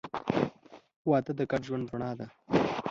• واده د ګډ ژوند رڼا ده.